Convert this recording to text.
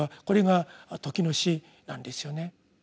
これが「時の詩」なんですよね。